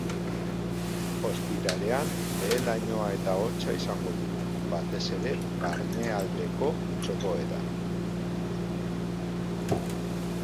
Ostiralean, behe-lainoa eta hotza izango dugu, batez ere barnealdeko txokoetan.